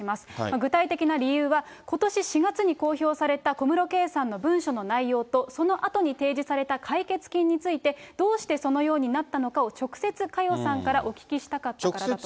具体的な理由は、ことし４月に公表された小室圭さんの文書の内容と、そのあとに提示された解決金について、どうしてそのようになったのかを直接、佳代さんからお聞きしたかったからだと。